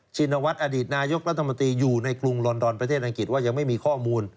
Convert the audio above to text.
ชินวัตรอดีตนายกรรฐมนตรีอยู่ในกรุงลอนดอนอออว่ายังไม่มีข้อมูล